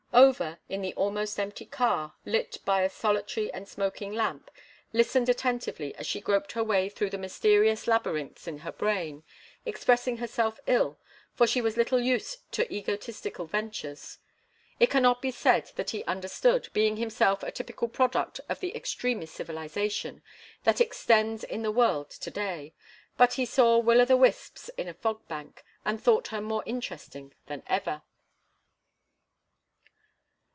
Over, in the almost empty car, lit by a solitary and smoking lamp, listened attentively as she groped her way through the mysterious labyrinths in her brain, expressing herself ill, for she was little used to egotistical ventures. It cannot be said that he understood, being himself a typical product of the extremest civilization that exists in the world to day; but he saw will o' the wisps in a fog bank, and thought her more interesting than ever.